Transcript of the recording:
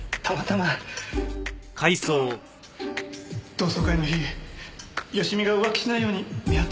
同窓会の日佳美が浮気しないように見張ってくれないか？